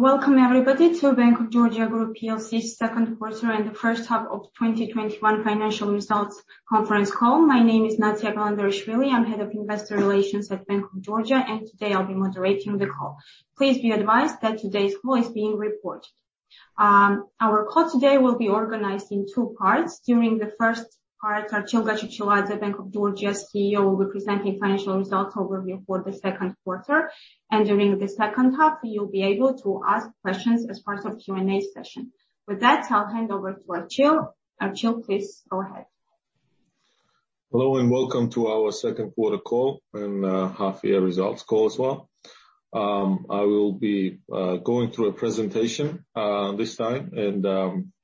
Welcome everybody to Bank of Georgia Group PLC Q2 and the H1 of 2021 Financial Results Conference Call. My name is Natia Kalandarishvili. I'm Head of Investor Relations at Bank of Georgia, and today I'll be moderating the call. Please be advised that today's call is being recorded. Our call today will be organized in two parts. During the first part, Archil Gachechiladze, Bank of Georgia CEO, will be presenting financial results overview for the Q2. During the second half, you'll be able to ask questions as part of Q&A session. With that, I'll hand over to Archil. Archil, please go ahead. Hello, and welcome to our Q2 call, and half-year results call as well. I will be going through a presentation this time and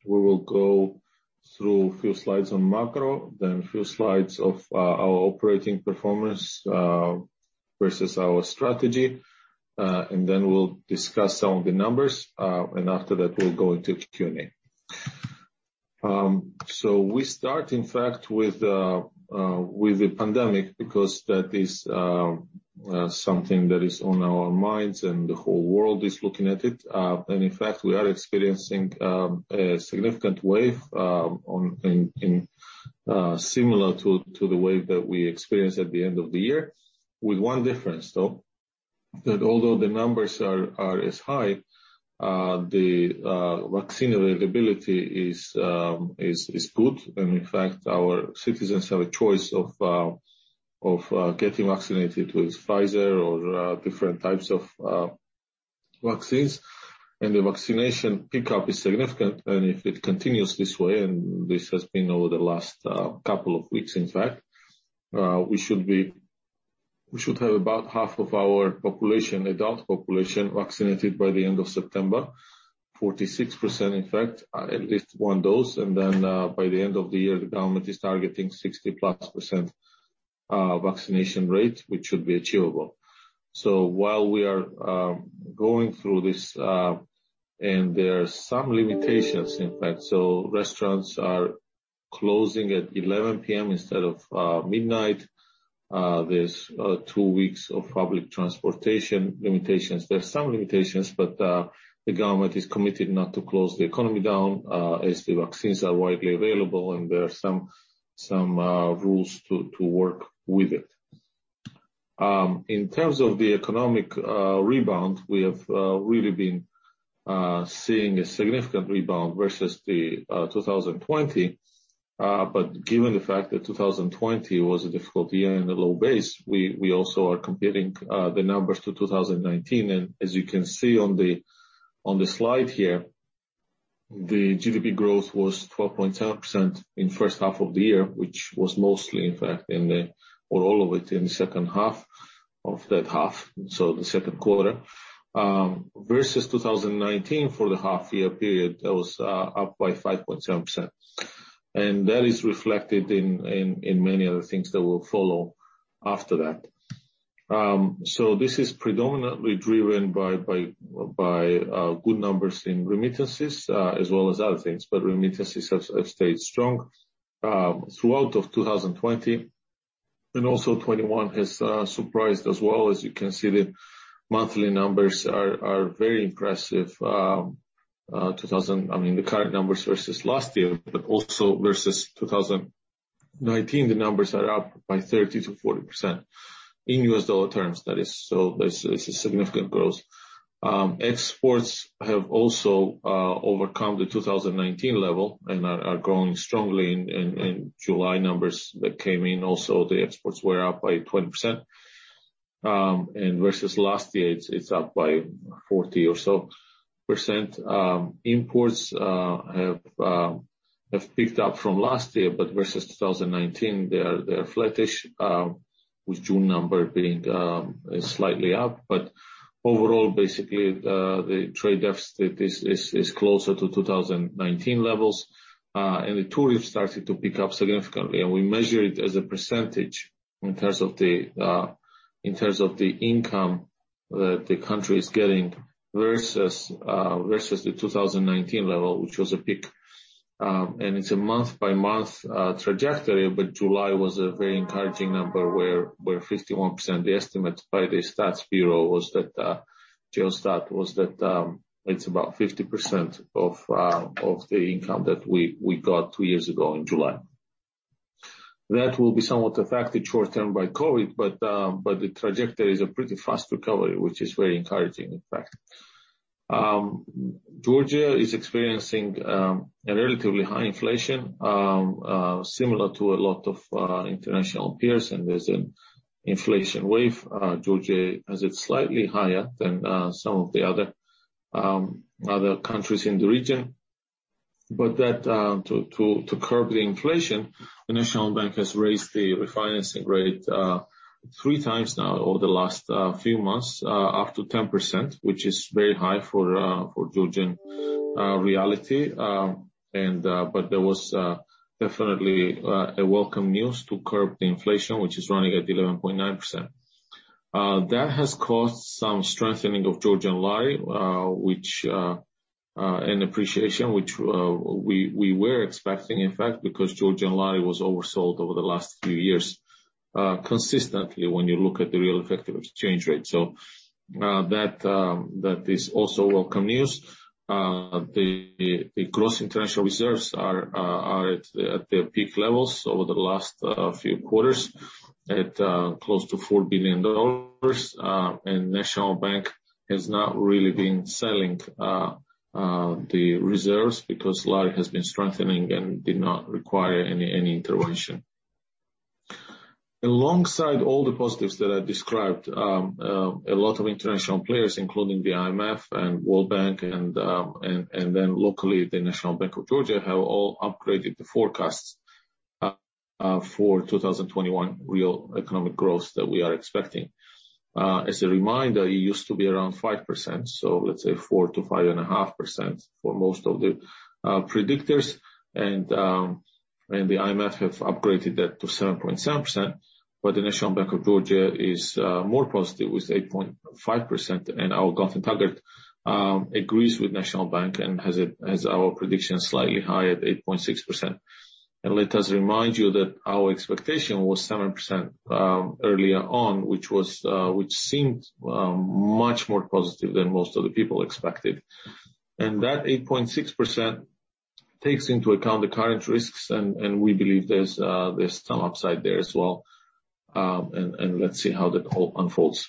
we will go through a few slides on macro, then a few slides of our operating performance versus our strategy, and then we'll discuss some of the numbers, and after that, we'll go into Q&A. We start, in fact, with the pandemic, because that is something that is on our minds, and the whole world is looking at it. In fact, we are experiencing a significant wave similar to the wave that we experienced at the end of the year. With one difference, though, that although the numbers are as high, the vaccine availability is good, and in fact, our citizens have a choice of getting vaccinated with Pfizer or different types of vaccines. The vaccination pickup is significant, and if it continues this way, and this has been over the last two weeks, in fact, we should have about half of our adult population vaccinated by the end of September, 46%, in fact, at least one dose. By the end of the year, the government is targeting 60-plus % vaccination rate, which should be achievable. While we are going through this, and there are some limitations, in fact. Restaurants are closing at 11:00 P.M. instead of 12:00 A.M. There's two weeks of public transportation limitations. There are some limitations, but the government is committed not to close the economy down as the vaccines are widely available and there are some rules to work with it. In terms of the economic rebound, we have really been seeing a significant rebound versus the 2020. Given the fact that 2020 was a difficult year and a low base, we also are comparing the numbers to 2019. As you can see on the slide here, the GDP growth was 12.7% in the H1 of the year, which was mostly, in fact, or all of it in the second half of that half, so the Q2. Versus 2019 for the half-year period, that was up by 5.7%. That is reflected in many other things that will follow after that. This is predominantly driven by good numbers in remittances as well as other things. Remittances have stayed strong throughout of 2020, and also 2021 has surprised as well. As you can see, the monthly numbers are very impressive. The current numbers versus last year, also versus 2019, the numbers are up by 30%-40% in US dollar terms, that is. There's a significant growth. Exports have also overcome the 2019 level and are growing strongly in July numbers that came in also, the exports were up by 20%, and versus last year, it's up by 40 or so %. Imports have picked up from last year. Versus 2019, they are flattish, with June number being slightly up. Overall, basically, the trade deficit is closer to 2019 levels. The tourist started to pick up significantly. We measure it as a percentage in terms of the income that the country is getting versus the 2019 level, which was a peak. It's a month-by-month trajectory, but July was a very encouraging number where 51% estimate by the stats bureau, Geostat, was that it's about 50% of the income that we got two years ago in July. That will be somewhat affected short-term by COVID, but the trajectory is a pretty fast recovery, which is very encouraging, in fact. Georgia is experiencing a relatively high inflation, similar to a lot of international peers, and there's an inflation wave. Georgia has it slightly higher than some of the other countries in the region. To curb the inflation, the National Bank has raised the refinancing rate 3x now over the last few months, up to 10%, which is very high for Georgian reality. That was definitely a welcome news to curb the inflation, which is running at 11.9%. That has caused some strengthening of Georgian lari, which and appreciation, which we were expecting, in fact, because Georgian lari was oversold over the last few years consistently when you look at the real effective exchange rate. That is also welcome news. The gross international reserves are at their peak levels over the last few quarters at close to $4 billion. National Bank has not really been selling the reserves because lari has been strengthening and did not require any intervention. Alongside all the positives that I described, a lot of international players, including the IMF and World Bank and then locally, the National Bank of Georgia, have all upgraded the forecasts for 2021 real economic growth that we are expecting. As a reminder, it used to be around 5%, let's say 4%-5.5% for most of the predictors. The IMF have upgraded that to 7.7%, but the National Bank of Georgia is more positive with 8.5%, our government target agrees with National Bank and has our prediction slightly higher at 8.6%. Let us remind you that our expectation was 7% earlier on, which seemed much more positive than most of the people expected. That 8.6% takes into account the current risks, and we believe there's some upside there as well. Let's see how that all unfolds.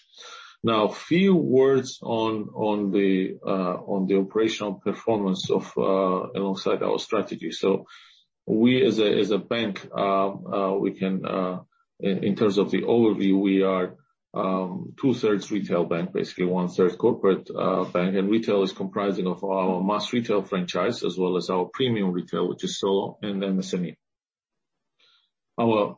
Few words on the operational performance alongside our strategy. We as a bank, in terms of the overview, we are two-thirds retail bank, basically one-third corporate bank. Retail is comprising of our mass retail franchise as well as our premium retail, which is Solo and then the SME. Our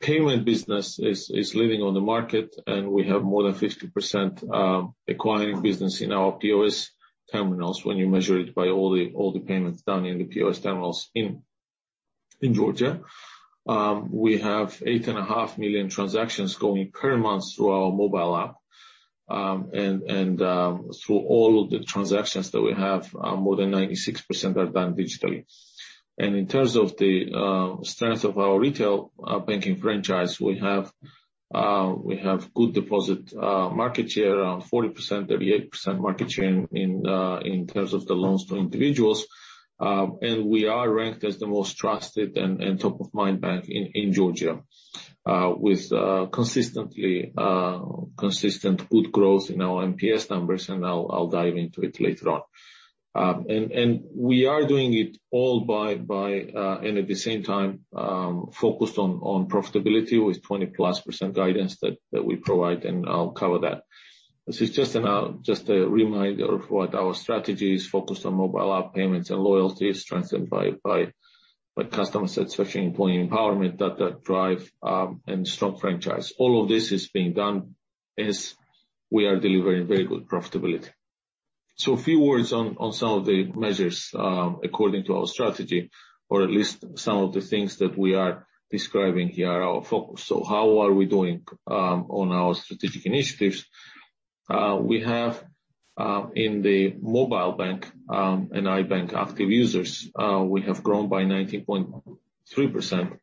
payment business is leading on the market, we have more than 50% acquiring business in our POS terminals when you measure it by all the payments done in the POS terminals in Georgia. We have 8.5 million transactions going per month through our mobile app. Through all of the transactions that we have, more than 96% are done digitally. In terms of the strength of our retail banking franchise, we have good deposit market share, around 40%, 38% market share in terms of the loans to individuals. We are ranked as the most trusted and top of mind bank in Georgia, with consistent good growth in our NPS numbers, and I'll dive into it later on. We are doing it all by, and at the same time, focused on profitability with 20+% guidance that we provide, and I'll cover that. This is just a reminder of what our strategy is focused on mobile app payments and loyalty is strengthened by customer satisfaction, employee empowerment that drive and strong franchise. All of this is being done as we are delivering very good profitability. A few words on some of the measures according to our strategy, or at least some of the things that we are describing here are our focus. How are we doing on our strategic initiatives? We have in the mobile bank, in iBank active users, we have grown by 19.3%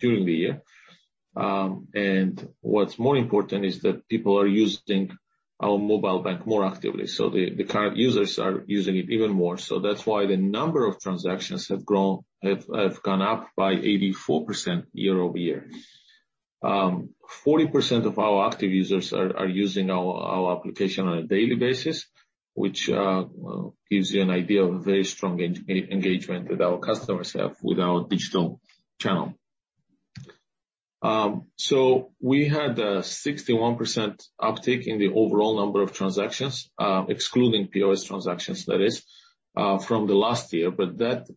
during the year. What's more important is that people are using our mobile bank more actively. The current users are using it even more. That's why the number of transactions have gone up by 84% year-over-year. 40% of our active users are using our application on a daily basis, which gives you an idea of a very strong engagement that our customers have with our digital channel. We had a 61% uptick in the overall number of transactions, excluding POS transactions, that is, from the last year, but that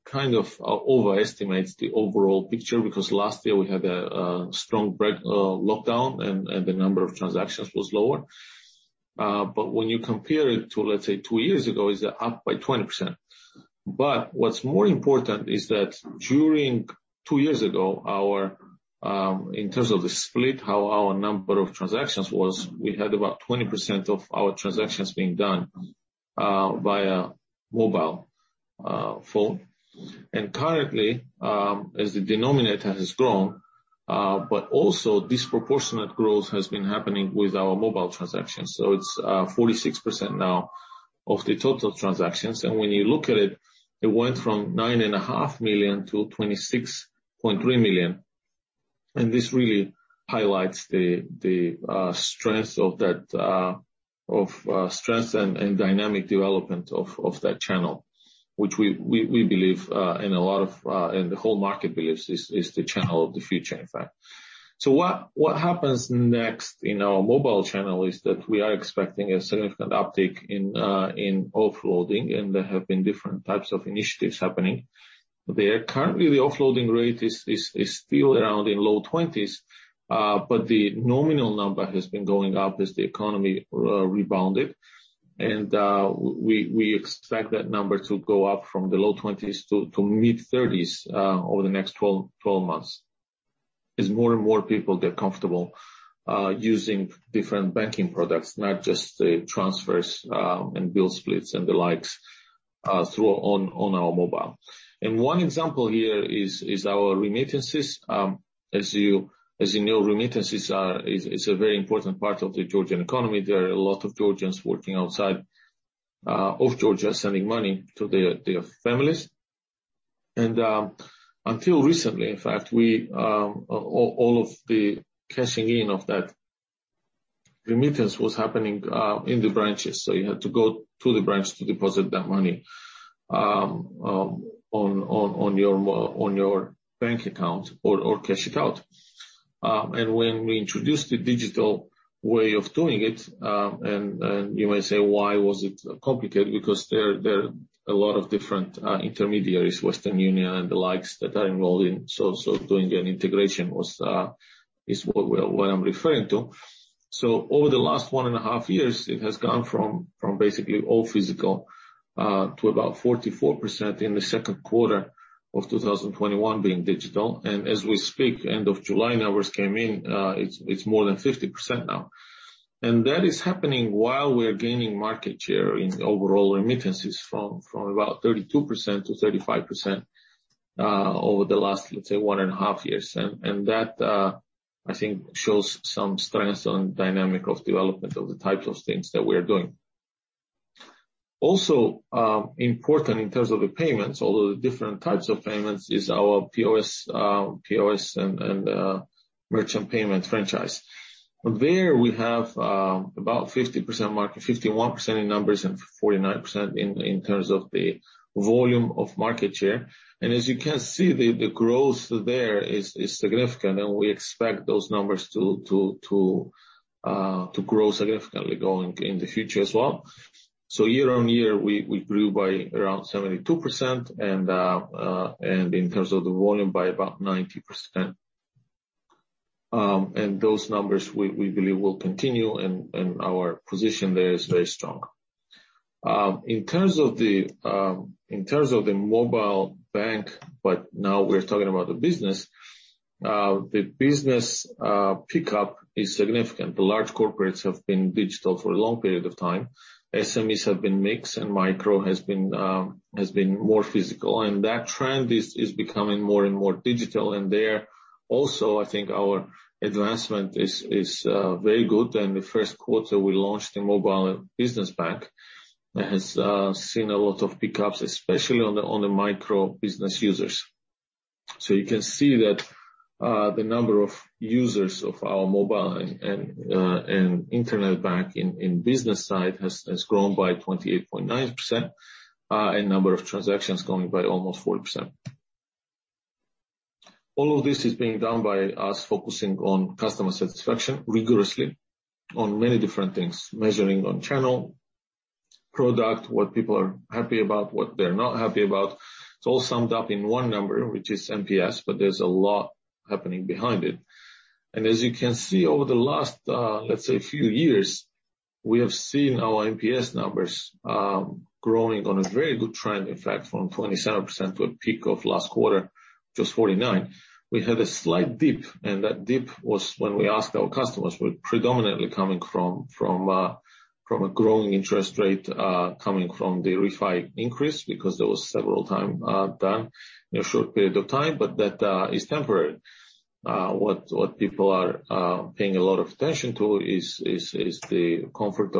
overestimates the overall picture because last year we had a strong lockdown and the number of transactions was lower. When you compare it to, let's say, two years ago, it's up by 20%. What's more important is that during two years ago, in terms of the split, how our number of transactions was, we had about 20% of our transactions being done via mobile phone. Currently, as the denominator has grown, but also disproportionate growth has been happening with our mobile transactions. It's 46% now of the total transactions. When you look at it went from GEL nine and a half million to GEL 26.3 million, and this really highlights the strength and dynamic development of that channel, which we believe and the whole market believes is the channel of the future, in fact. What happens next in our mobile channel is that we are expecting a significant uptick in offloading, and there have been different types of initiatives happening. Currently, the offloading rate is still around in low 20s, but the nominal number has been going up as the economy rebounded, and we expect that number to go up from the low 20s to mid-30s over the next 12 months, as more and more people get comfortable using different banking products, not just the transfers and Bill Splits and the likes on our mobile. One example here is our remittances. As you know, remittances are a very important part of the Georgian economy. There are a lot of Georgians working outside of Georgia, sending money to their families. Until recently, in fact, all of the cashing in of that remittance was happening in the branches. You had to go to the branch to deposit that money on your bank account or cash it out. When we introduced the digital way of doing it, and you might say, why was it complicated? Because there are a lot of different intermediaries, Western Union and the likes, that are involved in. Doing an integration is what I'm referring to. Over the last one and a half years, it has gone from basically all physical, to about 44% in the Q2 of 2021 being digital. As we speak, end of July numbers came in, it is more than 50% now. That is happening while we're gaining market share in overall remittances from about 32% to 35%, over the last, let's say, one and a half years. That shows some strength and dynamic of development of the types of things that we're doing. Also, important in terms of the payments, although the different types of payments is our POS and merchant payment franchise. There, we have about 50% market, 51% in numbers and 49% in terms of the volume of market share. As you can see, the growth there is significant, and we expect those numbers to grow significantly going in the future as well. Year-over-year, we grew by around 72% and in terms of the volume by about 90%. Those numbers, we believe, will continue and our position there is very strong. In terms of the mobile bank, now we're talking about the business, the business pickup is significant. The large corporates have been digital for a long period of time. SMEs have been mixed, and micro has been more physical and that trend is becoming more and more digital. There also, our advancement is very good. In the first quarter, we launched a mobile business bank that has seen a lot of pickups, especially on the micro business users. You can see that the number of users of our mobile and internet bank in business side has grown by 28.9%, and number of transactions going by almost 40%. All of this is being done by us focusing on customer satisfaction rigorously on many different things. Measuring on channel, product, what people are happy about, what they're not happy about. It's all summed up in one number, which is NPS, but there's a lot happening behind it. As you can see, over the last, let's say, few years, we have seen our NPS numbers growing on a very good trend, in fact, from 27% to a peak of last quarter, just 49%. We had a slight dip, and that dip was when we asked our customers were predominantly coming from a growing interest rate, coming from the refi increase because there was several time done in a short period of time, but that is temporary. What people are paying a lot of attention to is the comfort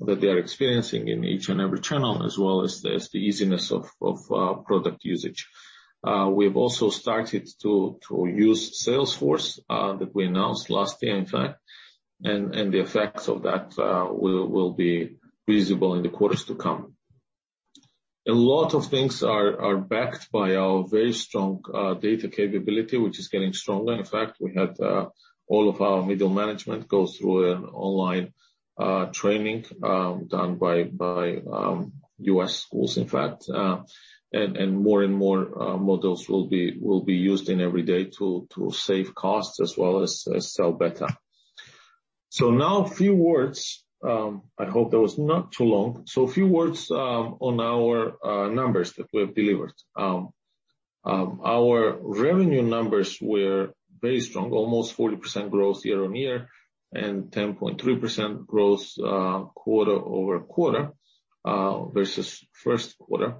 that they are experiencing in each and every channel, as well as the easiness of product usage. We've also started to use Salesforce, that we announced last year in fact, and the effects of that will be visible in the quarters to come. A lot of things are backed by our very strong data capability, which is getting stronger. In fact, we had all of our middle management go through an online training, done by U.S. schools in fact, and more and more models will be used in every day to save costs as well as sell better. Now a few words, I hope that was not too long. A few words on our numbers that we have delivered. Our revenue numbers were very strong, almost 40% growth year-on-year and 10.3% growth quarter-over-quarter versus first quarter.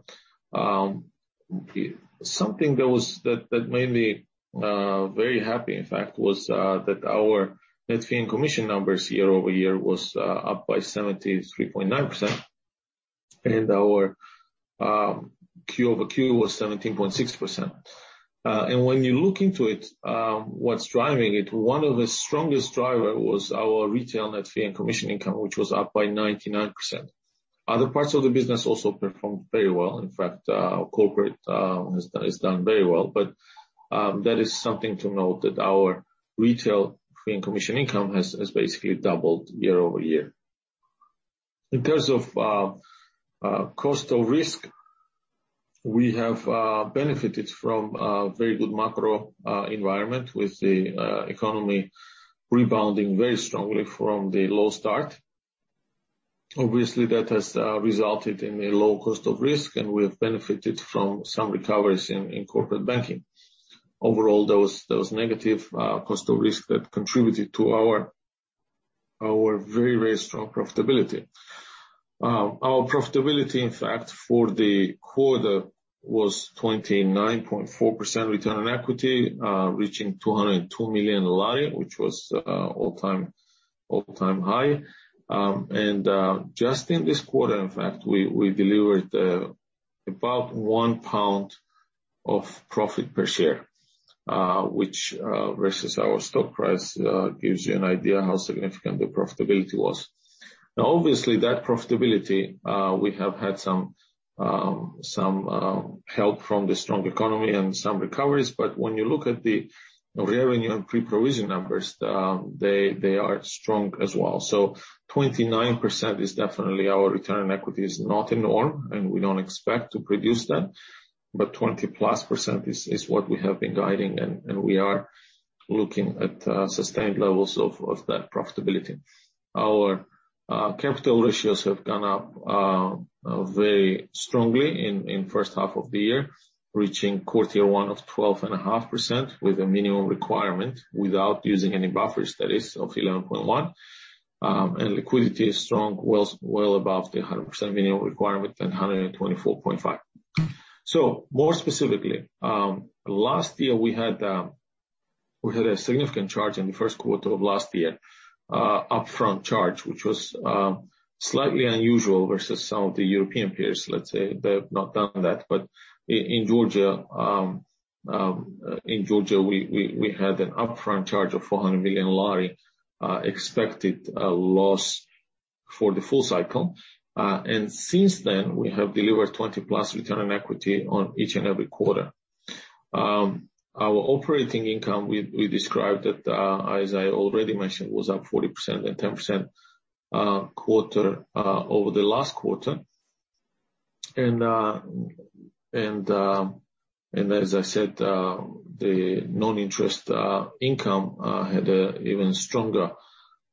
Something that made me very happy, in fact, was that our net fee and commission numbers year-over-year was up by 73.9%, and our Q-over-Q was 17.6%. When you look into it, what's driving it, one of the strongest driver was our retail net fee and commission income, which was up by 99%. Other parts of the business also performed very well. In fact, our corporate has done very well, but that is something to note that our retail fee and commission income has basically doubled year-over-year. In terms of cost of risk, we have benefited from a very good macro environment with the economy rebounding very strongly from the low start. Obviously, that has resulted in a low cost of risk, and we have benefited from some recoveries in corporate banking. Overall, those negative cost of risk that contributed to our very strong profitability. Our profitability, in fact, for the quarter was 29.4% return on equity, reaching GEL 202 million, which was all-time high. Just in this quarter, in fact, we delivered about £1 of profit per share, which versus our stock price, gives you an idea how significant the profitability was. Obviously, that profitability, we have had some help from the strong economy and some recoveries, but when you look at the revenue and pre-provision numbers, they are strong as well. 29% is definitely our return on equity, is not in norm, and we don't expect to produce that, but 20-plus percent is what we have been guiding, and we are looking at sustained levels of that profitability. Our capital ratios have gone up very strongly in H1 of the year, reaching Q1 of 12.5% with a minimum requirement without using any buffers, that is, of 11.1%. Liquidity is strong, well above the 100% minimum requirement and 124.5%. More specifically, last year we had a significant charge in the 1st quarter of last year, upfront charge, which was slightly unusual versus some of the European peers, let's say. They have not done that. In Georgia, we had an upfront charge of GEL 400 million, expected a loss for the full cycle. Since then, we have delivered 20%+ return on equity on each and every quarter. Our operating income, we described it, as I already mentioned, was up 40% and 10% quarter over the last quarter. As I said, the non-interest income had an even stronger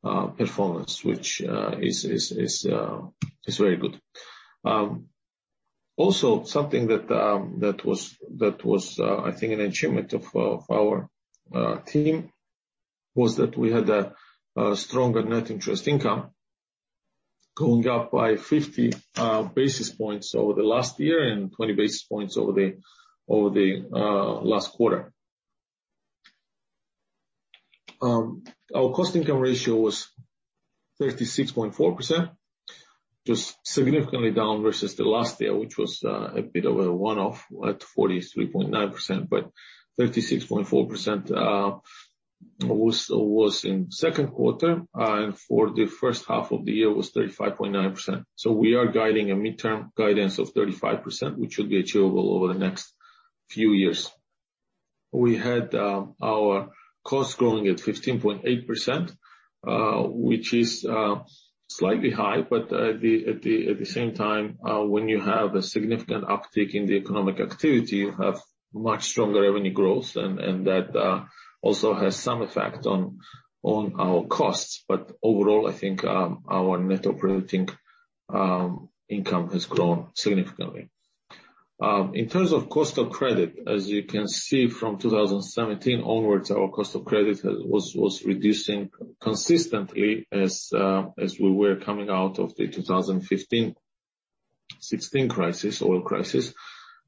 performance, which is very good. Something that was, an achievement of our team was that we had a stronger net interest income going up by 50 basis points over the last year and 20 basis points over the last quarter. Our cost income ratio was 36.4%, just significantly down versus the last year, which was a bit of a one-off at 43.9%. 36.4% was in Q2, and for the H1 of the year was 35.9%. We are guiding a midterm guidance of 35%, which will be achievable over the next few years. We had our costs growing at 15.8%, which is slightly high, but at the same time, when you have a significant uptick in the economic activity, you have much stronger revenue growth and that also has some effect on our costs. Overall, our net operating income has grown significantly. In terms of cost of credit, as you can see from 2017 onwards, our cost of credit was reducing consistently as we were coming out of the 2015, 2016 crisis, oil crisis,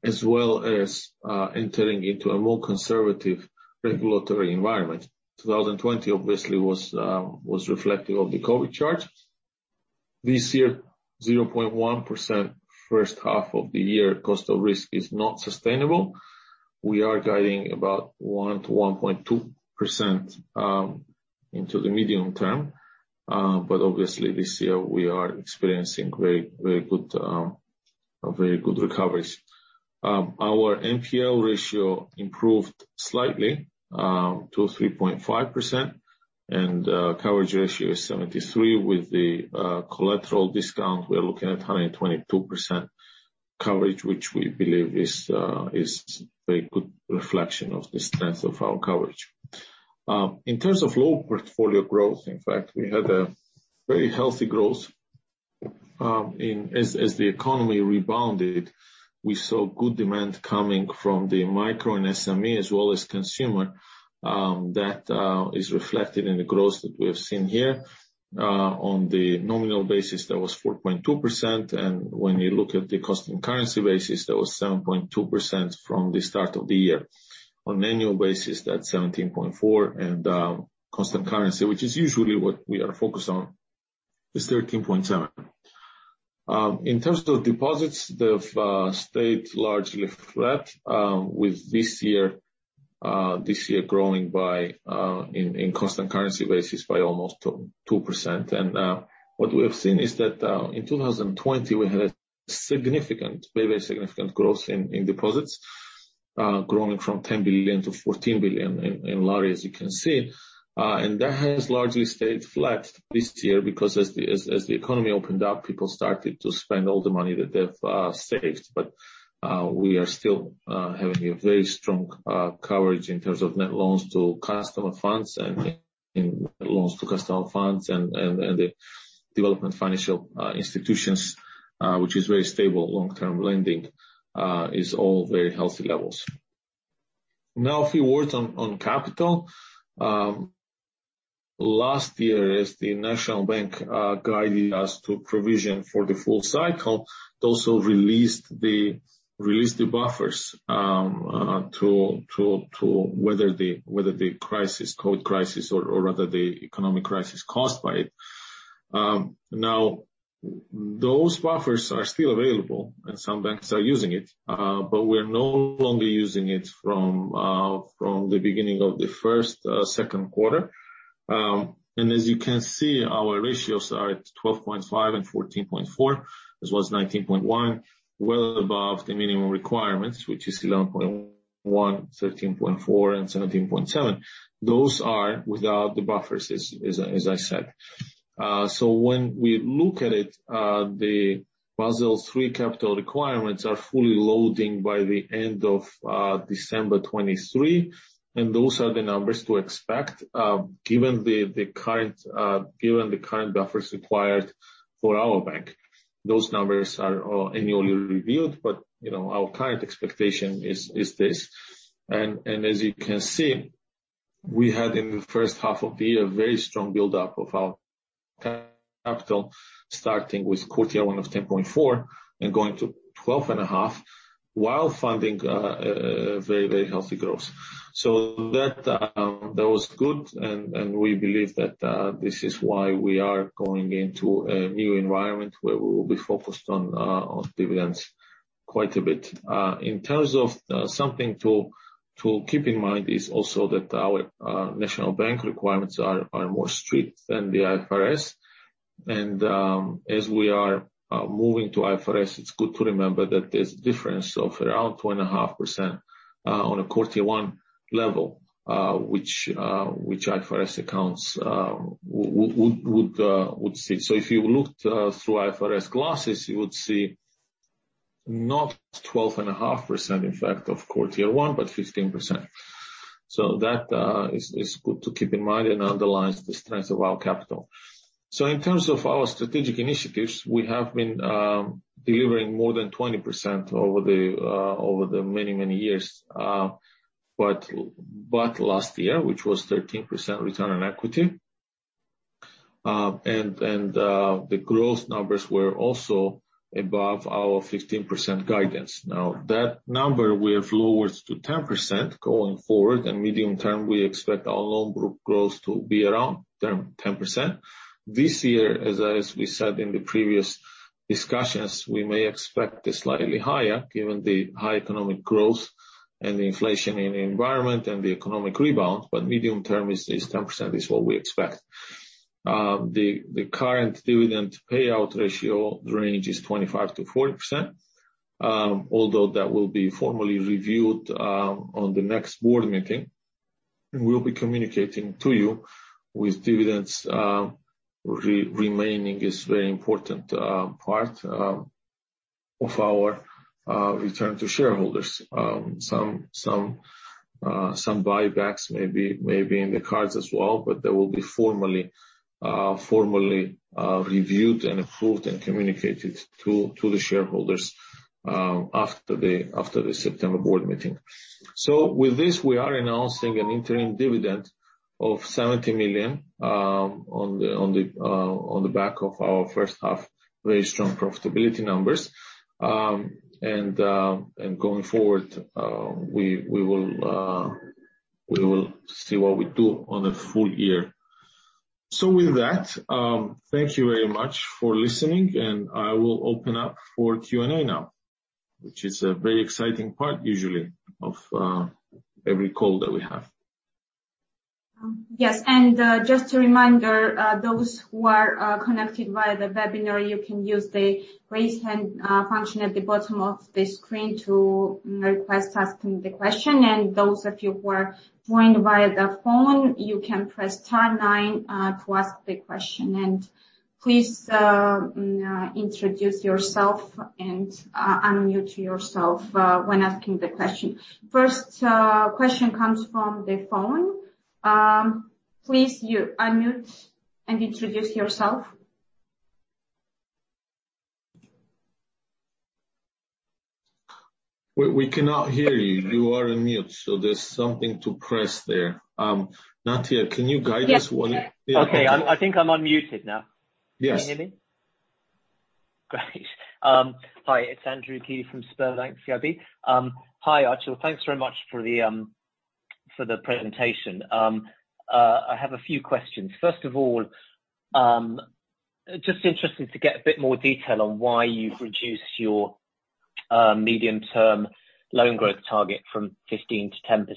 as well as entering into a more conservative regulatory environment. 2020 obviously was reflective of the COVID charge. This year, 0.1% H1 of the year cost of risk is not sustainable. We are guiding about 1%-1.2% into the medium term. Obviously this year we are experiencing very good recoveries. Our NPL ratio improved slightly to 3.5%, and coverage ratio is 73%. With the collateral discount, we are looking at 122% coverage, which we believe is very good reflection of the strength of our coverage. In terms of loan portfolio growth, in fact, we had a very healthy growth. As the economy rebounded, we saw good demand coming from the micro and SME as well as consumer, that is reflected in the growth that we have seen here. On the nominal basis, that was 4.2%. When you look at the constant currency basis, that was 7.2% from the start of the year. On annual basis, that's 17.4%. Constant currency, which is usually what we are focused on, is 13.7%. In terms of deposits, they've stayed largely flat with this year growing by, in constant currency basis, by almost 2%. What we have seen is that in 2020, we had a very significant growth in deposits, growing from GEL 10 billion to GEL 14 billion in lari, as you can see. That has largely stayed flat this year because as the economy opened up, people started to spend all the money that they've saved. We are still having a very strong coverage in terms of net loans to customer funds and in loans to customer funds and the development financial institutions, which is very stable, long-term lending is all very healthy levels. A few words on capital. Last year, as the National Bank of Georgia guided us to provision for the full cycle, it also released the buffers to weather the COVID crisis or rather the economic crisis caused by it. Those buffers are still available, and some banks are using it, but we're no longer using it from the beginning of the first, Q2. As you can see, our ratios are at 12.5% and 14.4%, as well as 19.1%, well above the minimum requirements, which is 11.1%, 13.4%, and 17.7%. Those are without the buffers, as I said. When we look at it, the Basel III capital requirements are fully loading by the end of December 2023, those are the numbers to expect given the current buffers required for our bank. Those numbers are annually reviewed, but our current expectation is this. As you can see, we had, in the H1 of the year, a very strong buildup of our capital, starting with Q1 of 10.4% and going to 12.5% while funding very healthy growth. That was good, and we believe that this is why we are going into a new environment where we will be focused on dividends quite a bit. In terms of something to keep in mind is also that our National Bank requirements are more strict than the IFRS. As we are moving to IFRS, it is good to remember that there is a difference of around 2.5% on a Q1 level, which IFRS accounts would sit. If you looked through IFRS glasses, you would see not 12.5% effect of quarter 1, but 15%. That is good to keep in mind and underlines the strength of our capital. In terms of our strategic initiatives, we have been delivering more than 20% over the many, many years. Last year, which was 13% return on equity, and the growth numbers were also above our 15% guidance. Now, that number we have lowered to 10% going forward, and medium term, we expect our loan growth to be around 10%. This year, as we said in the previous discussions, we may expect it slightly higher given the high economic growth and the inflation in the environment and the economic rebound, but medium term is 10%, is what we expect. The current dividend payout ratio range is 25%-40%. Although that will be formally reviewed on the next board meeting, and we'll be communicating to you with dividends. Remaining is very important part of our return to shareholders. Some buybacks may be in the cards as well, but they will be formally reviewed and approved and communicated to the shareholders after the September board meeting. With this, we are announcing an interim dividend of GEL 70 million on the back of our H1 very strong profitability numbers. Going forward, we will see what we do on a full year. With that, thank you very much for listening, and I will open up for Q&A now, which is a very exciting part usually of every call that we have. Yes. Just a reminder, those who are connected via the webinar, you can use the raise hand function at the bottom of the screen to request asking the question. Those of you who are joined via the phone, you can press star nine to ask the question. Please introduce yourself and unmute yourself when asking the question. First question comes from the phone. Please unmute and introduce yourself. We cannot hear you. You are on mute, there's something to press there. Natia, can you guide us. Yes. Okay. I'm unmuted now. Yes. Can you hear me? Great. Hi, it's Andrew Keeley from Sberbank CIB. Hi, Archil. Thanks very much for the presentation. I have a few questions. First of all, just interesting to get a bit more detail on why you've reduced your medium-term loan growth target from 15% to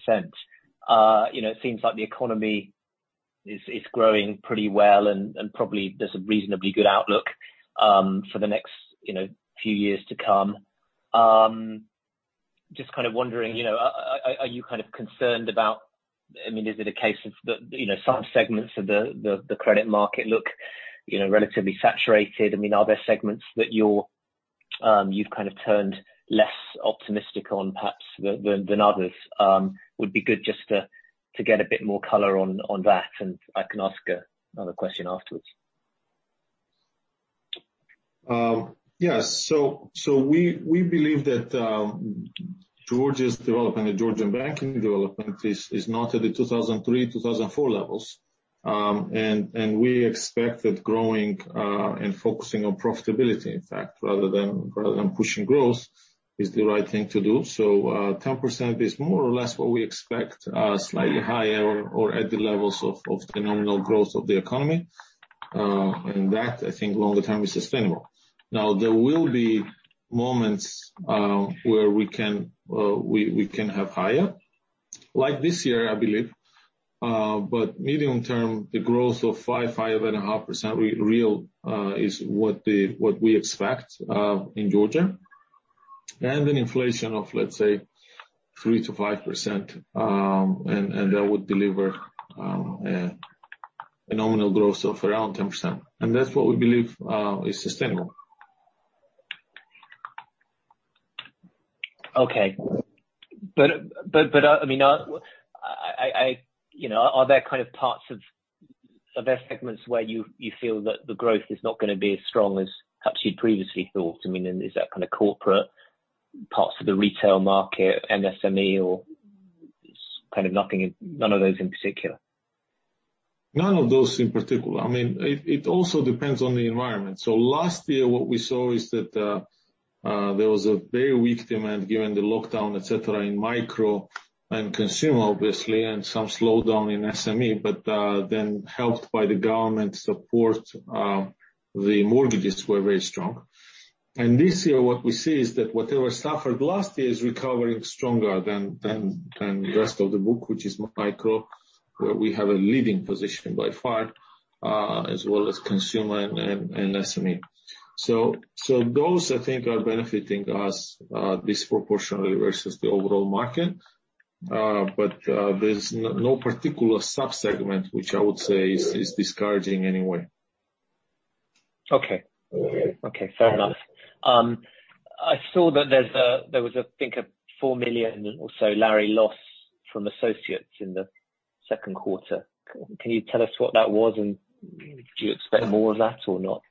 10%. It seems like the economy is growing pretty well, and probably there's a reasonably good outlook for the next few years to come. Just wondering, are you concerned about I mean, is it a case of some segments of the credit market look relatively saturated? Are there segments that you've turned less optimistic on perhaps than others? Would be good just to get a bit more color on that, and I can ask another question afterwards. Yes. We believe that Georgia's development, the Georgian banking development is not at the 2003, 2004 levels. We expect that growing, and focusing on profitability, in fact, rather than pushing growth is the right thing to do. 10% is more or less what we expect, slightly higher or at the levels of phenomenal growth of the economy. That longer time is sustainable. Now there will be moments where we can have higher. Like this year, I believe. Medium term, the growth of 5%, 5.5% real is what we expect, in Georgia, and an inflation of, let's say, 3%-5%, and that would deliver a nominal growth of around 10%. That's what we believe, is sustainable. Okay. Are there segments where you feel that the growth is not going to be as strong as perhaps you'd previously thought? Is that corporate parts of the retail market, SME or none of those in particular? None of those in particular. It also depends on the environment. Last year what we saw is that there was a very weak demand given the lockdown, et cetera, in micro and consumer obviously, and some slowdown in SME. Helped by the government support, the mortgages were very strong. This year what we see is that whatever suffered last year is recovering stronger than the rest of the book, which is micro, where we have a leading position by far, as well as consumer and SME. Those are benefiting us disproportionally versus the overall market. There's no particular sub-segment which I would say is discouraging anyway. Okay. Fair enough. I saw that there was a GEL 4 million or so loss from associates in the Q2. Can you tell us what that was, and do you expect more of that or not?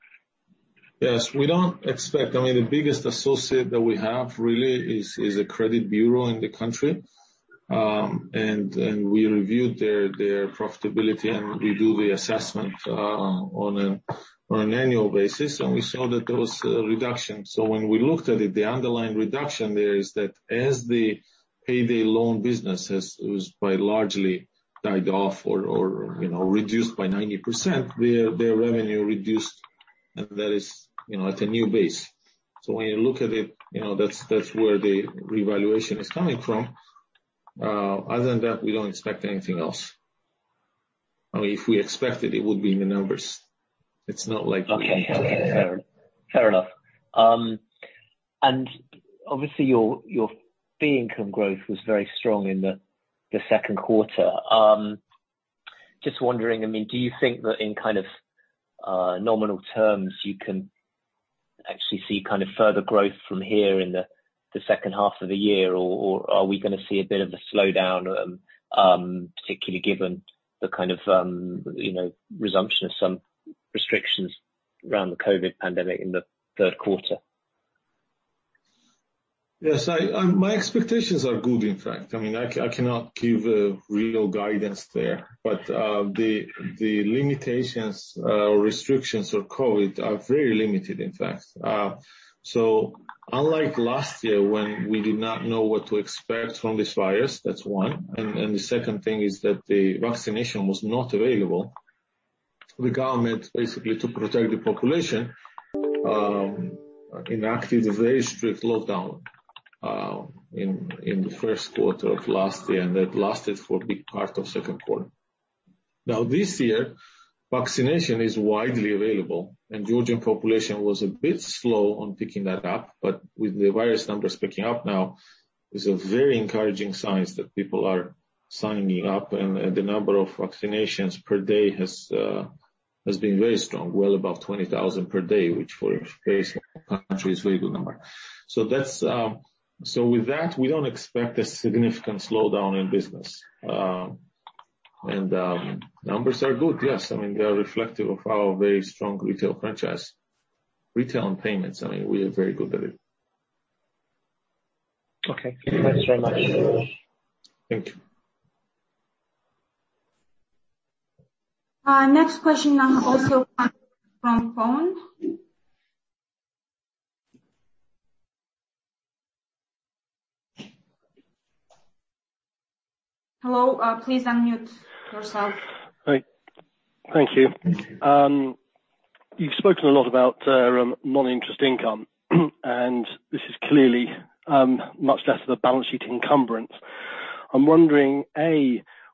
Yes. We don't expect. The biggest associate that we have really is a credit bureau in the country. We reviewed their profitability, and we do the assessment on an annual basis, and we saw that there was a reduction. When we looked at it, the underlying reduction there is that as the payday loan business has quite largely died off or reduced by 90%, their revenue reduced. That is at a new base. When you look at it, that's where the revaluation is coming from. Other than that, we don't expect anything else. If we expected, it would be in the numbers. It's not like. Okay. Fair enough. Obviously your fee income growth was very strong in the Q2. Just wondering, do you think that in nominal terms, you can actually see further growth from here in the second half of the year? Are we going to see a bit of a slowdown, particularly given the resumption of some restrictions around the COVID pandemic in the third quarter? Yes. My expectations are good, in fact. I cannot give a real guidance there, but, the limitations or restrictions of COVID are very limited, in fact. Unlike last year when we did not know what to expect from this virus, that's one, and the second thing is that the vaccination was not available. The government basically to protect the population, enacted a very strict lockdown in the first quarter of last year, and that lasted for a big part of Q2. This year, vaccination is widely available, and Georgian population was a bit slow on picking that up, but with the virus numbers picking up now, is a very encouraging signs that people are signing up and the number of vaccinations per day has been very strong. Well above 20,000 per day, which for a country is very good number. With that, we don't expect a significant slowdown in business. Numbers are good. Yes. They are reflective of our very strong retail franchise. Retail and payments, we are very good at it. Okay. Thanks very much. Thank you. Next question also from phone. Hello, please unmute yourself. Hi. Thank you. You've spoken a lot about non-interest income and this is clearly much less of a balance sheet encumbrance. I'm wondering,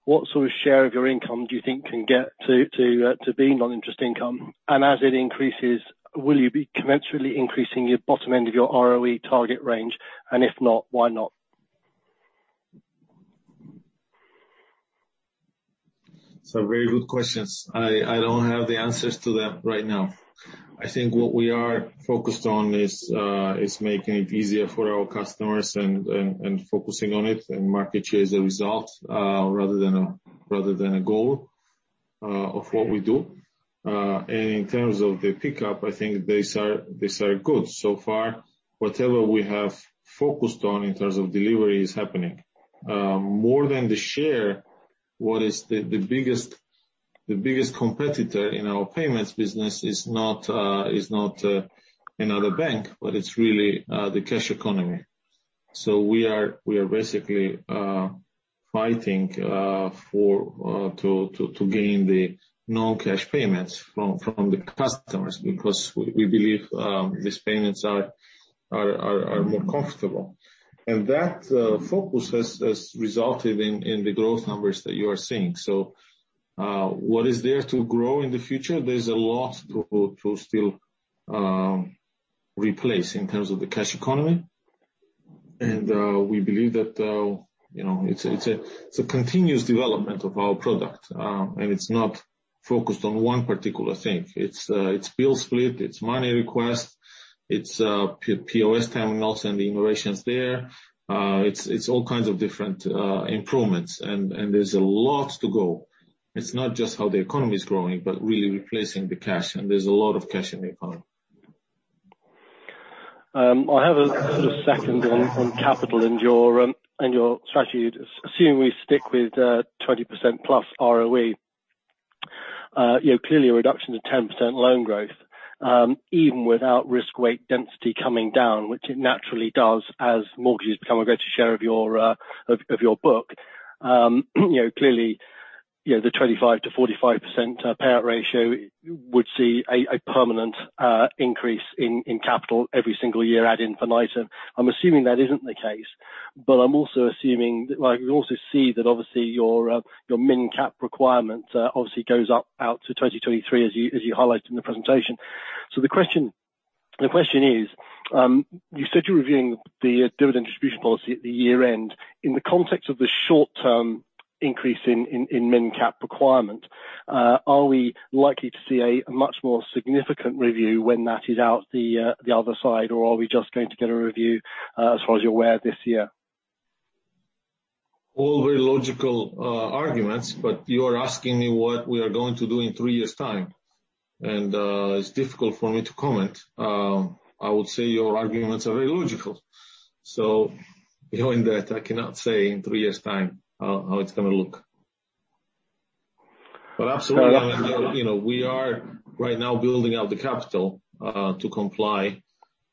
what share of your income do you think can get to being non-interest income? As it increases, will you be commensurately increasing your bottom end of your ROE target range? If not, why not? Some very good questions. I don't have the answers to them right now. What we are focused on is making it easier for our customers and focusing on it, and market share is a result rather than a goal of what we do. In terms of the pickup, these are good so far. Whatever we have focused on in terms of delivery is happening. More than the share, what is the biggest competitor in our payments business is not another bank, but it's really the cash economy. We are basically fighting to gain the non-cash payments from the customers, because we believe these payments are more comfortable. That focus has resulted in the growth numbers that you are seeing. What is there to grow in the future? There's a lot to still replace in terms of the cash economy. We believe that it's a continuous development of our product, and it's not focused on one particular thing. It's Bill Split, it's money request, it's POS terminals and the innovations there. It's all kinds of different improvements and there's a lot to go. It's not just how the economy is growing, but really replacing the cash, and there's a lot of cash in the economy. I have a second on capital and your strategy. Assuming we stick with 20%+ ROE, clearly a reduction to 10% loan growth, even without risk weight density coming down, which it naturally does as mortgages become a greater share of your book. Clearly, the 25%-45% payout ratio would see a permanent increase in capital every single year ad infinitum. I'm assuming that isn't the case, but I can also see that obviously your min cap requirement obviously goes up out to 2023, as you highlighted in the presentation. The question is, you said you're reviewing the dividend distribution policy at the year-end? In the context of the short-term increase in min cap requirement, are we likely to see a much more significant review when that is out the other side, or are we just going to get a review, as far as you're aware, this year? All very logical arguments, you are asking me what we are going to do in three years' time. It's difficult for me to comment. I would say your arguments are very logical. Knowing that, I cannot say in three years' time how it's going to look. Absolutely, we are right now building out the capital to comply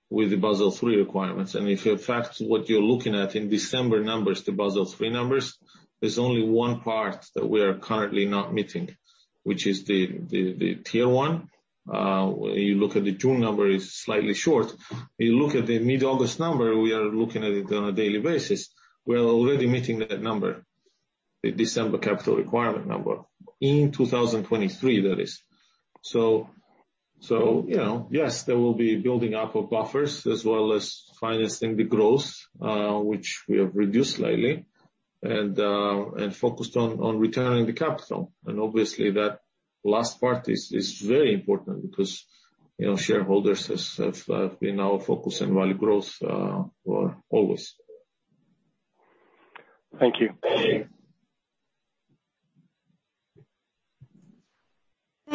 with the Basel III requirements. If you affect what you're looking at in December numbers to Basel III numbers, there's only one part that we are currently not meeting, which is the T1. You look at the June number, it's slightly short. You look at the mid-August number, we are looking at it on a daily basis. We are already meeting that number, the December capital requirement number. In 2023, that is. Yes, there will be building up of buffers as well as financing the growth, which we have reduced lately, and focused on returning the capital. Obviously that last part is very important because shareholders have been our focus and value growth always. Thank you.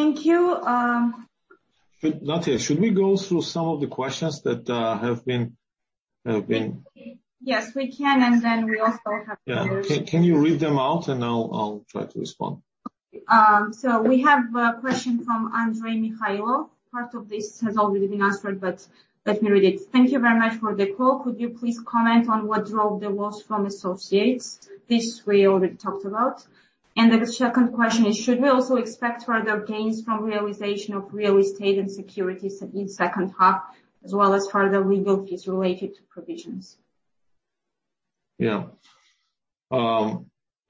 Thank you. Natia, should we go through some of the questions? Yes, we can. Yeah. Can you read them out and I'll try to respond. We have a question from Andrey Mikhailov. Part of this has already been answered, let me read it. Thank you very much for the call. Could you please comment on what drove the loss from associates? This, we already talked about. The second question is, should we also expect further gains from realization of real estate and securities in second half, as well as further legal fees related to provisions?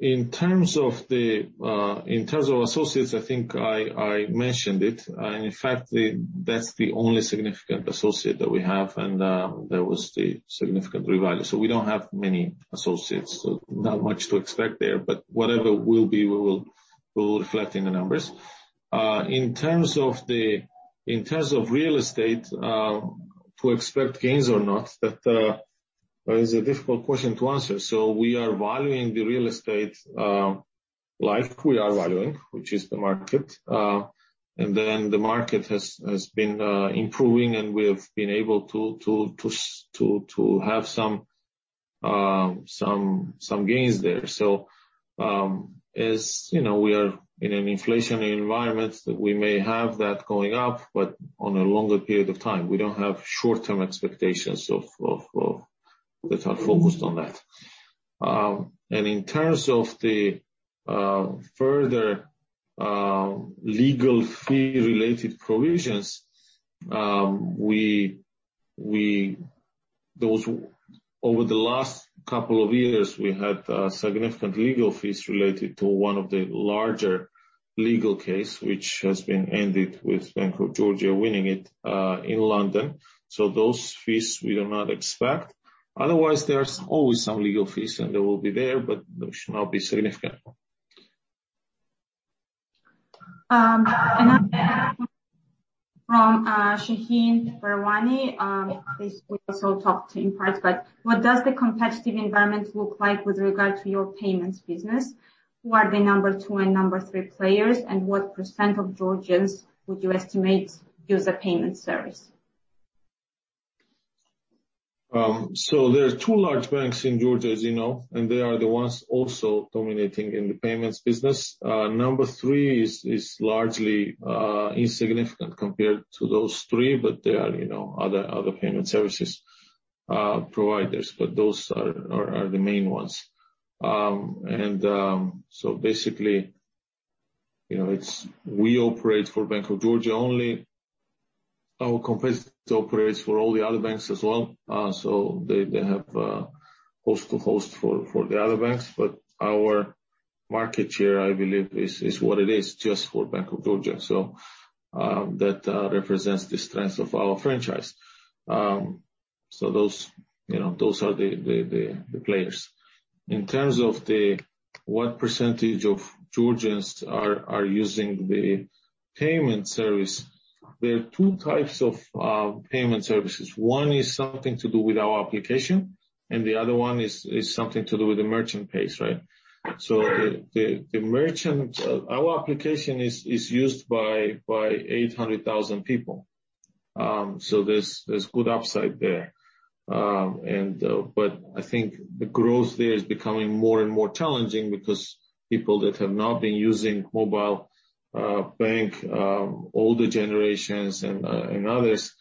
In terms of associates, I mentioned it. In fact, that's the only significant associate that we have, and there was the significant revalue. We don't have many associates, so not much to expect there. Whatever will be, we will reflect in the numbers. In terms of real estate, to expect gains or not, that is a difficult question to answer. We are valuing the real estate like we are valuing, which is the market. The market has been improving, and we have been able to have some gains there. As we are in an inflationary environment, we may have that going up, but on a longer period of time. We don't have short-term expectations that are focused on that. In terms of the further legal fee related provisions, over the last couple of years, we had significant legal fees related to one of the larger legal case, which has been ended with Bank of Georgia winning it in London. Those fees, we do not expect. Otherwise, there's always some legal fees, and they will be there, but they should not be significant. Another from Shaheen Barwani. This we also talked in parts, but what does the competitive environment look like with regard to your payments business? Who are the number two and number three players, and what percent of Georgians would you estimate use the payment service? There are two large banks in Georgia, as you know, and they are the ones also dominating in the payments business. Number three is largely insignificant compared to those three, but they are other payment services providers. Those are the main ones. We operate for Bank of Georgia only. Our competitor operates for all the other banks as well, so they have host to host for the other banks. Our market share, I believe, is what it is just for Bank of Georgia. That represents the strength of our franchise. Those are the players. In terms of what percentage of Georgians are using the payment service, there are two types of payment services. One is something to do with our application, and the other one is something to do with the merchant POS, right? The merchant, our application is used by 800,000 people. There's good upside there. The growth there is becoming more and more challenging because people that have not been using mobile bank, older generations and others,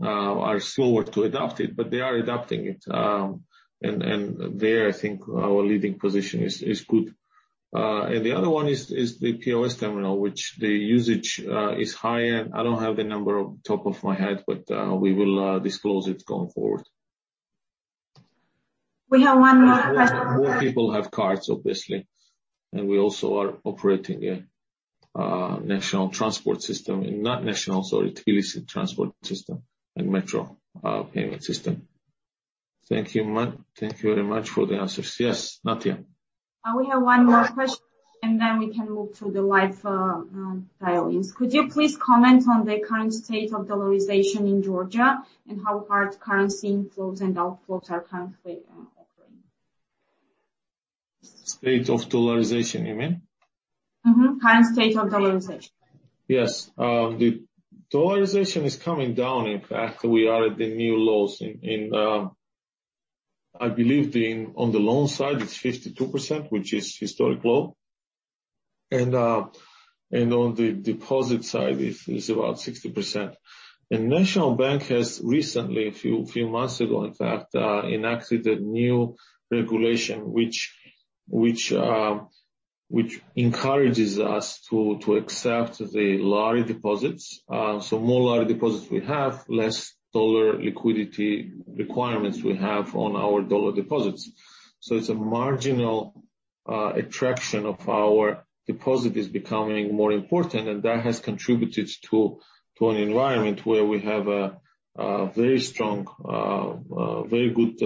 are slower to adopt it, but they are adopting it. There our leading position is good. The other one is the POS terminal, which the usage is higher. I don't have the number off the top of my head, but we will disclose it going forward. We have one more question. More people have cards, obviously, and we also are operating a national transport system. Not national, sorry, Tbilisi transport system and Metro payment system. Thank you very much for the answers. Yes, Natia. We have one more question, and then we can move to the live dial-ins. Could you please comment on the current state of dollarization in Georgia and how hard currency inflows and outflows are currently occurring? State of dollarization, you mean? Current state of dollarization. Yes. The dollarization is coming down. In fact, we are at the new lows in, I believe on the loan side it is 52%, which is historic low, and on the deposit side it is about 60%. National Bank has recently, a few months ago in fact, enacted a new regulation which encourages us to accept the lari deposits. More lari deposits we have, less dollar liquidity requirements we have on our dollar deposits. It is a marginal attraction of our deposit is becoming more important, and that has contributed to an environment where we have a very strong, very good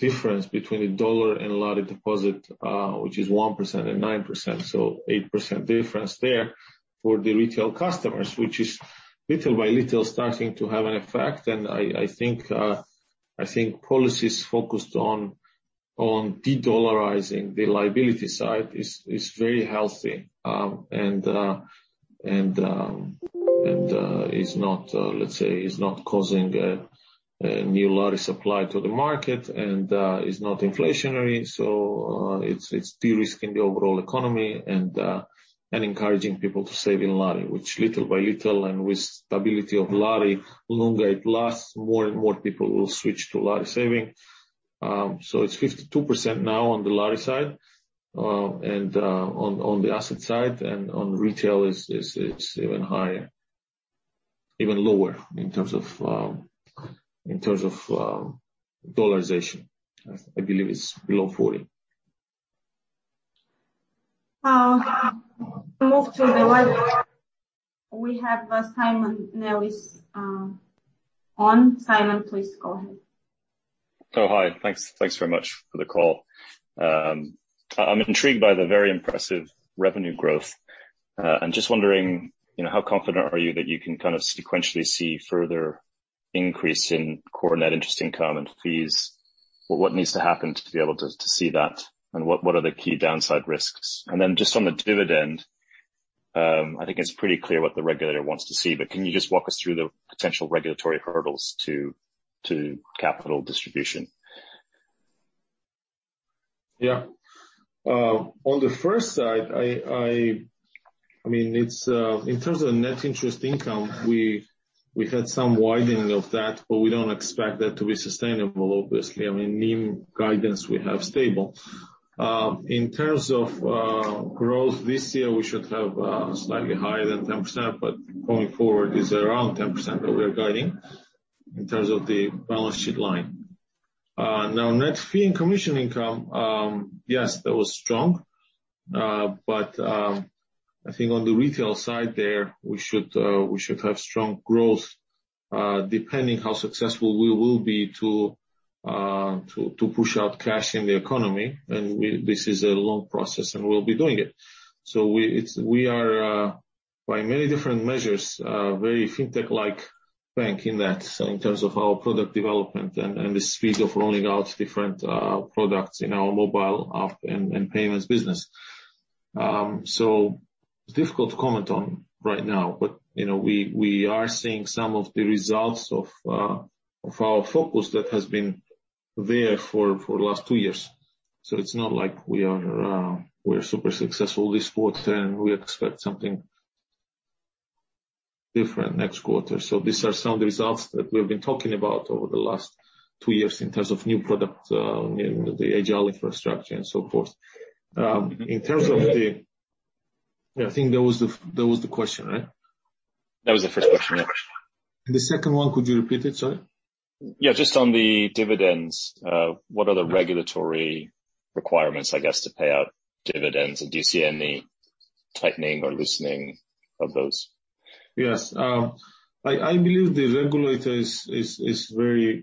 difference between the dollar and lari deposit, which is 1% and 9%. 8% difference there for the retail customers, which is little by little starting to have an effect. Policies focused on de-dollarizing the liability side is very healthy. Is not, let's say, is not causing a new lari supply to the market and is not inflationary. It's de-risking the overall economy and encouraging people to save in lari, which little by little and with stability of lari, the longer it lasts, more and more people will switch to lari saving. It's 52% now on the lari side, on the asset side, and on retail it's even higher, even lower in terms of dollarization. I believe it's below 40%. We move to the live. We have Simon Nellis on. Simon, please go ahead. Oh, hi. Thanks very much for the call. I'm intrigued by the very impressive revenue growth, just wondering, how confident are you that you can sequentially see further increase in core net interest income and fees? What needs to happen to be able to see that, what are the key downside risks? Just on the dividend, it's pretty clear what the regulator wants to see, can you just walk us through the potential regulatory hurdles to capital distribution? Yeah. On the first side, in terms of net interest income, we've had some widening of that, but we don't expect that to be sustainable, obviously. NIM guidance we have stable. In terms of growth this year, we should have slightly higher than 10%, but going forward is around 10% that we are guiding in terms of the balance sheet line. Now net fee and commission income, yes, that was strong. On the retail side there, we should have strong growth, depending how successful we will be to push out cash in the economy. This is a long process, and we'll be doing it. We are, by many different measures, a very fintech-like bank in that, so in terms of our product development and the speed of rolling out different products in our mobile app and payments business. Difficult to comment on right now, but we are seeing some of the results of our focus that has been there for the last two years. It's not like we're super successful this quarter and we expect something different next quarter. These are some of the results that we've been talking about over the last two years in terms of new product, the agile infrastructure and so forth. That was the question, right? That was the first question, yeah. The second one, could you repeat it, sorry? Yeah, just on the dividends, what are the regulatory requirements to pay out dividends? Do you see any tightening or loosening of those? Yes. I believe the regulator is very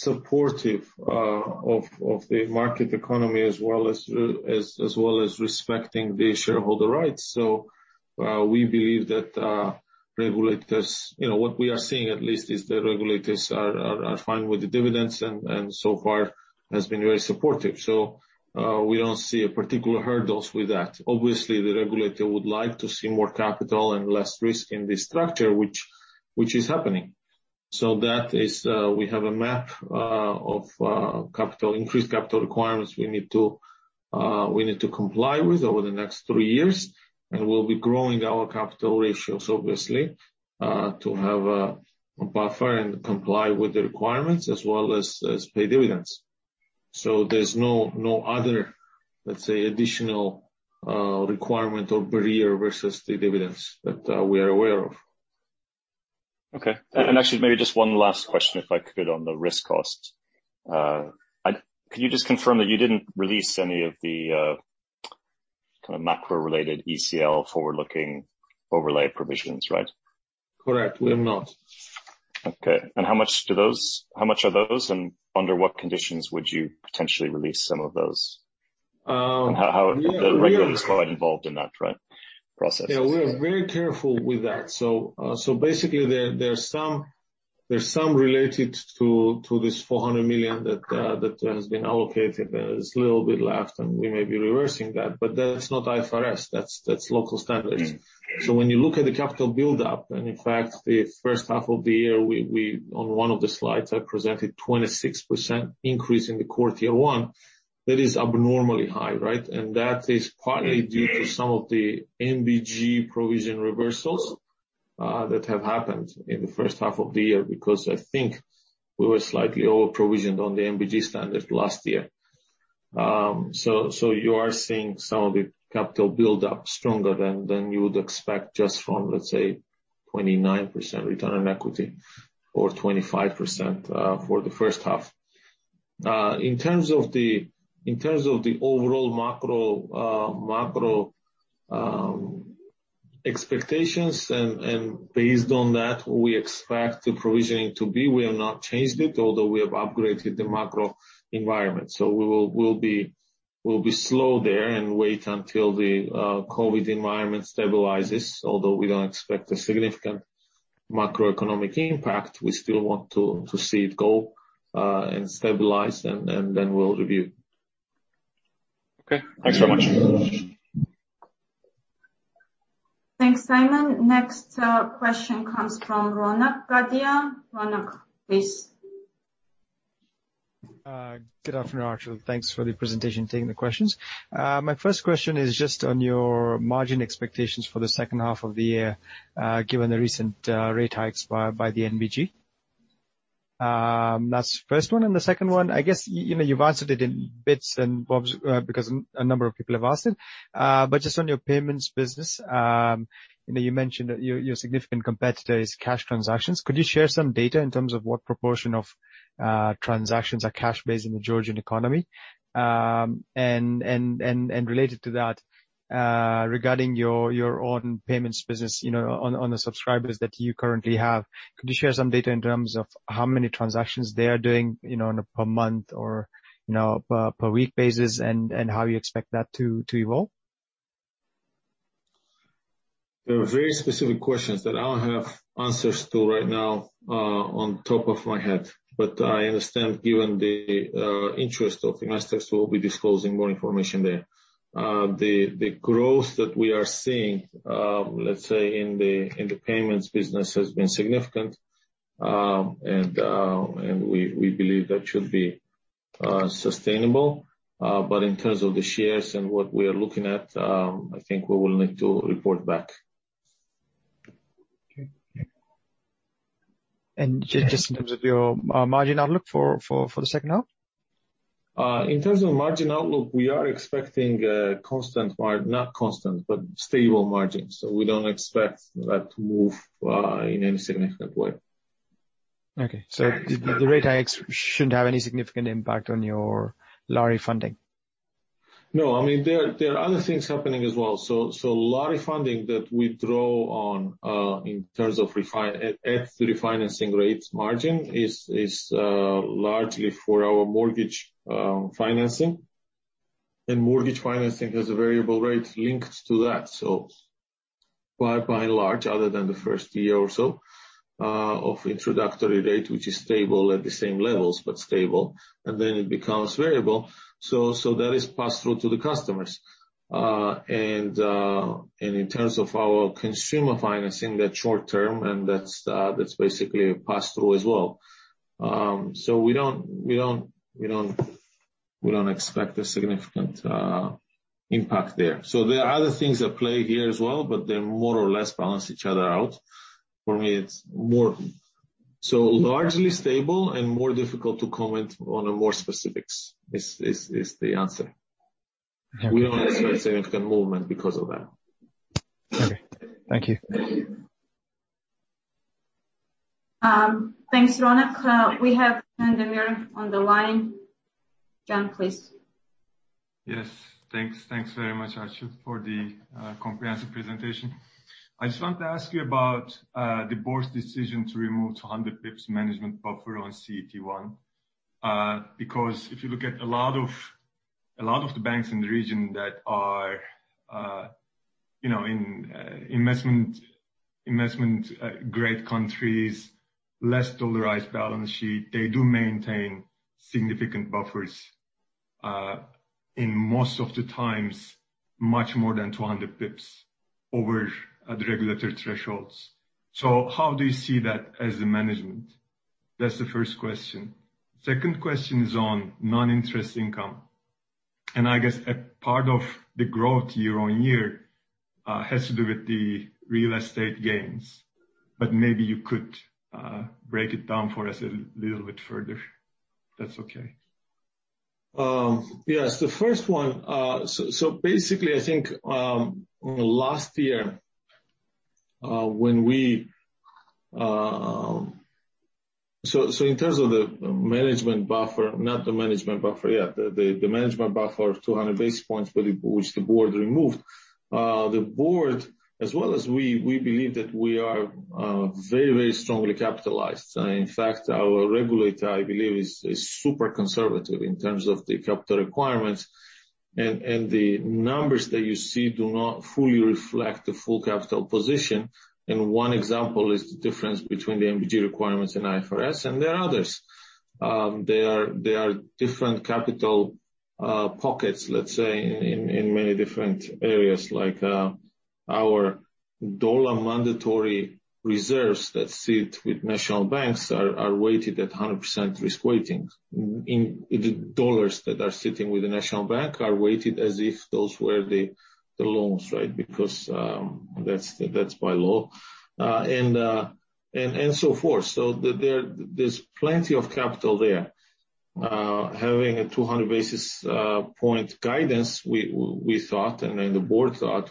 supportive of the market economy as well as respecting the shareholder rights. We believe that regulators, what we are seeing at least, is the regulators are fine with the dividends, and so far has been very supportive. We don't see particular hurdles with that. Obviously, the regulator would like to see more capital and less risk in this structure, which is happening. That is, we have a map of increased capital requirements we need to comply with over the next three years, and we'll be growing our capital ratios, obviously, to have a buffer and comply with the requirements as well as pay dividends. There's no other, let's say, additional requirement or barrier versus the dividends that we are aware of. Okay. Actually, maybe just one last question, if I could, on the risk costs. Could you just confirm that you didn't release any of the macro-related ECL forward-looking overlay provisions, right? Correct, we have not. Okay. How much are those, and under what conditions would you potentially release some of those? Yeah. The regulator is quite involved in that, right, process? We are very careful with that. Basically, there's some related to this GEL 400 million that has been allocated. There's a little bit left, and we may be reversing that. That's not IFRS, that's local standards. When you look at the capital buildup, and in fact, the H1 of the year, on one of the slides, I presented 26% increase in the Core T1. That is abnormally high, right? That is partly due to some of the NBG provision reversals that have happened in the H1 of the year, because we were slightly overprovisioned on the NBG standard last year. You are seeing some of the capital buildup stronger than you would expect just from, let's say, 29% return on equity or 25% for the H1. In terms of the overall macro expectations and based on that, we expect the provisioning to be, we have not changed it, although we have upgraded the macro environment. We'll be slow there and wait until the COVID environment stabilizes. Although we don't expect a significant macroeconomic impact, we still want to see it go and stabilize, and then we'll review. Okay. Thanks very much. Thanks, Simon. Next question comes from Ronak Gadhia. Ronak, please. Good afternoon, Archil. Thanks for the presentation and taking the questions. My first question is just on your margin expectations for the second half of the year, given the recent rate hikes by the NBG. That's the first one, the second one, you've answered it in bits and bobs, because a number of people have asked it. Just on your payments business, you mentioned that your significant competitor is cash transactions. Could you share some data in terms of what proportion of transactions are cash-based in the Georgian economy? Related to that, regarding your own payments business, on the subscribers that you currently have, could you share some data in terms of how many transactions they are doing per month or per week basis and how you expect that to evolve? They are very specific questions that I don't have answers to right now on top of my head. I understand given the interest of investors, we'll be disclosing more information there. The growth that we are seeing, let's say, in the payments business has been significant, and we believe that should be sustainable. In terms of the shares and what we are looking at, we will need to report back. Okay. Just in terms of your margin outlook for the second half? In terms of margin outlook, we are expecting constant, not constant, but stable margins. We don't expect that to move in any significant way. Okay. The rate hike shouldn't have any significant impact on your lari funding? No. There are other things happening as well. Lari funding that we draw on, in terms of at the refinancing rates margin is largely for our mortgage financing. Mortgage financing has a variable rate linked to that. By and large, other than the first year or so, of introductory rate, which is stable at the same levels, but stable, and then it becomes variable. That is passed through to the customers. In terms of our consumer financing, they're short-term, and that's basically a pass-through as well. We don't expect a significant impact there. There are other things at play here as well, but they more or less balance each other out. For me, it's more so largely stable and more difficult to comment on a more specifics is the answer. We don't expect significant movement because of that. Okay. Thank you. Thanks, Ronak. We have Can demir on the line. Can, please. Yes. Thanks very much, Archil, for the comprehensive presentation. I just want to ask you about the board's decision to remove 200 basis points management buffer on CET1. If you look at a lot of the banks in the region that are in investment grade countries, less dollarized balance sheet, they do maintain significant buffers, in most of the times, much more than 200 basis points over the regulatory thresholds. How do you see that as the management? That's the first question. Second question is on non-interest income. A part of the growth year-over-year, has to do with the real estate gains, but maybe you could break it down for us a little bit further, if that's okay. Yes. The first one. Basically, last year, in terms of the management buffer of 200 basis points which the board removed. The board as well as we believe that we are very strongly capitalized. In fact, our regulator, I believe, is super conservative in terms of the capital requirements. The numbers that you see do not fully reflect the full capital position. One example is the difference between the NBG requirements and IFRS, and there are others. There are different capital pockets, let's say, in many different areas like, our dollar mandatory reserves that sit with national banks are weighted at 100% risk weightings. The dollars that are sitting with the National Bank are weighted as if those were the loans, because, that's by law, and so forth. There's plenty of capital there. Having a 200 basis point guidance, we thought, and the board thought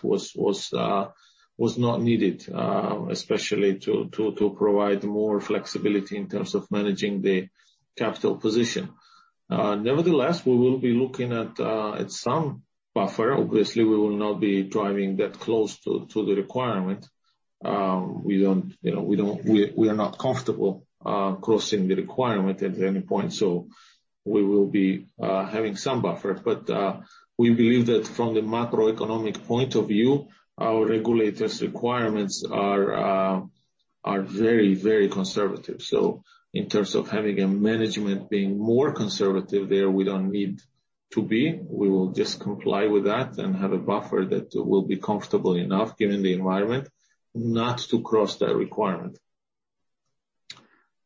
was not needed, especially to provide more flexibility in terms of managing the capital position. Nevertheless, we will be looking at some buffer. Obviously, we will not be driving that close to the requirement. We are not comfortable closing the requirement at any point, we will be having some buffer. We believe that from the macroeconomic point of view, our regulators' requirements are very, very conservative. In terms of having a management being more conservative there, we don't need to be. We will just comply with that and have a buffer that will be comfortable enough, given the environment, not to cross that requirement.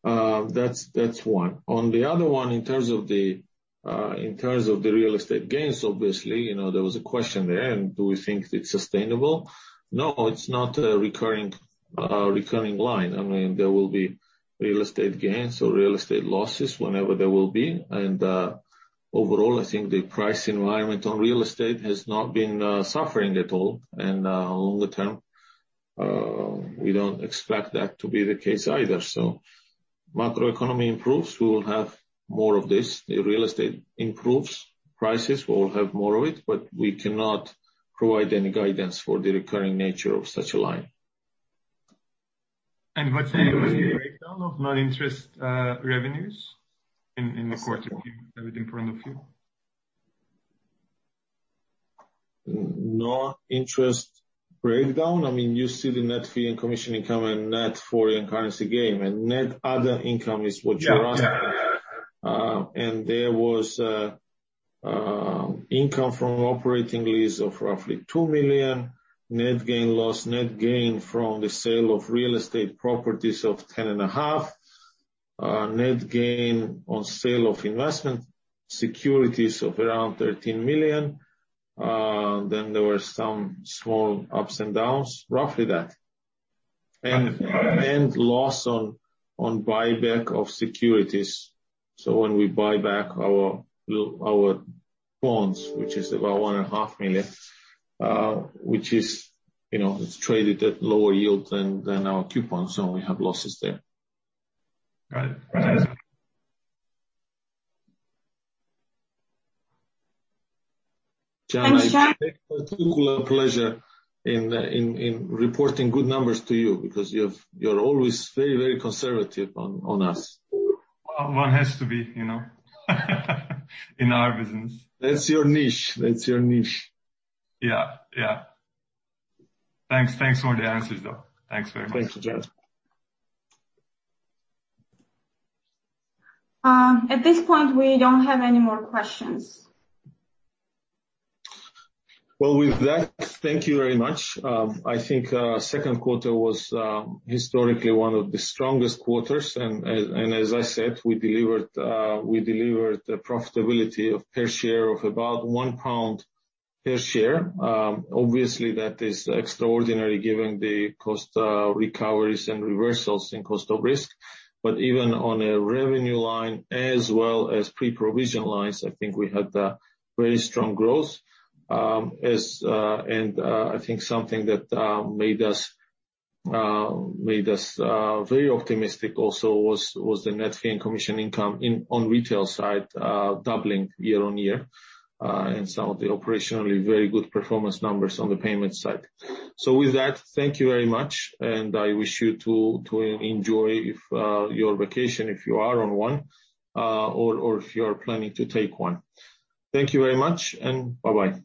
That's one. On the other one, in terms of the real estate gains, obviously, there was a question there. Do we think it's sustainable? No, it's not a recurring line. There will be real estate gains or real estate losses whenever there will be. Overall, the price environment on real estate has not been suffering at all. Longer term, we don't expect that to be the case either. Macroeconomy improves, we will have more of this. If real estate improves, prices will have more of it, but we cannot provide any guidance for the recurring nature of such a line. What's the breakdown of non-interest revenues in the quarter view, have it in front of you? Non-interest breakdown. You see the net fee and commission income and net foreign currency gain, and net other income is what you are asking. Yeah. There was income from operating lease of roughly GEL 2 million. Net gain/loss, net gain from the sale of real estate properties of GEL ten and a half. Net gain on sale of investment securities of around GEL 13 million. There were some small ups and downs, roughly that. Loss on buyback of securities. When we buy back our bonds, which is about GEL one and a half million, which is traded at lower yield than our coupons, so we have losses there. Right. John, I take particular pleasure in reporting good numbers to you because you're always very conservative on us. One has to be in our business. That's your niche. Yeah. Thanks for the answers, though. Thanks very much. Thank you, John. At this point, we don't have any more questions. With that, thank you very much. Q2 was historically one of the strongest quarters, and as I said, we delivered a profitability of per share of about £1 per share. Obviously, that is extraordinary given the cost recoveries and reversals in cost of risk. Even on a revenue line as well as pre-provision lines, we had very strong growth. Something that made us very optimistic also was the net fee and commission income on retail side doubling year-over-year, and some of the operationally very good performance numbers on the payment side. With that, thank you very much, and I wish you to enjoy your vacation if you are on one, or if you are planning to take one. Thank you very much, and bye-bye.